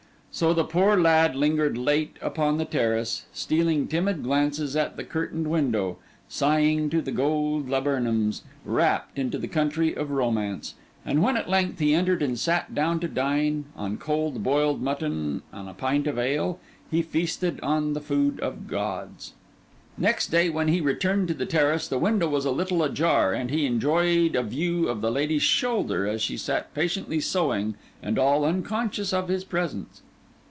So the poor lad lingered late upon the terrace, stealing timid glances at the curtained window, sighing to the gold laburnums, rapt into the country of romance; and when at length he entered and sat down to dine, on cold boiled mutton and a pint of ale, he feasted on the food of gods. Next day when he returned to the terrace, the window was a little ajar, and he enjoyed a view of the lady's shoulder, as she sat patiently sewing and all unconscious of his presence.